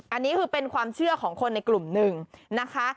อันนี้คือเป็นความเชื่อของคนในกลุ่มหนึ่งนะคะ